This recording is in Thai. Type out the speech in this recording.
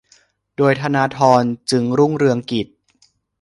โดยธนาธร จึงรุ่งเรืองกิจ